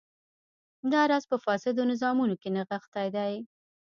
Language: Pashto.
دا راز په فاسدو نظامونو کې نغښتی دی.